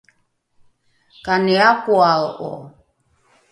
kani akoae’o?